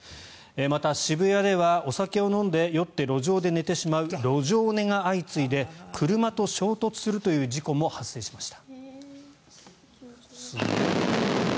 また、渋谷ではお酒を飲んで酔って路上で寝てしまう路上寝が相次いで車と衝突するという事故も発生しました。